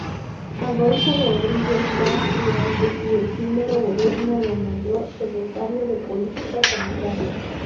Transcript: Adolfo Rodríguez Saa, durante su efímero gobierno, lo nombró "Secretario de Política Sanitaria".